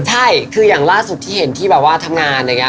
ใช่คืออย่างล่าสุดที่เห็นที่แบบว่าทำงาน